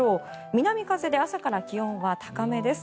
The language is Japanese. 南風で朝から気温は高めです。